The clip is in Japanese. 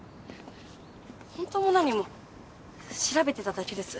本当も何も調べてただけです